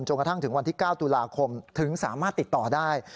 กระทั่งถึงวันที่๙ตุลาคมถึงสามารถติดต่อได้